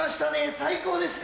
最高ですね。